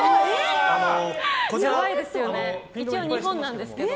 一応、日本なんですけど。